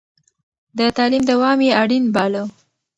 د تعليم دوام يې اړين باله.